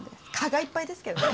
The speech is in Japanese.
蚊がいっぱいですけどね！